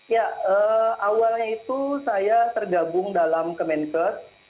ya awalnya itu saya tergabung dalam kemenkes